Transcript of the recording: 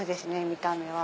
見た目は。